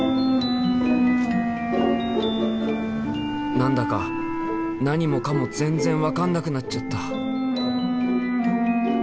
何だか何もかも全然分かんなくなっちゃった。